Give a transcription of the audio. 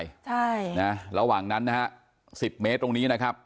โกยดินใส่ระหว่างนั้นนะฮะ๑๐เมตรตรงนี้นะครับ